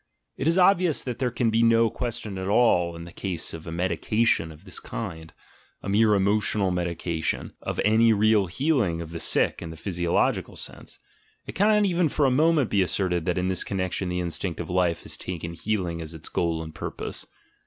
It is obvious that there can be no question at all in the case of a "medication" of this kind, a mere emotional medication, of any real healing of the sick in the physio logical sense; it cannot even for a moment be asserted that in this connection the instinct of life has taken heal ing as its goal and purpose.